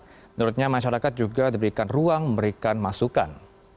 menurutnya masyarakat juga diberikan ruang memberikan masukan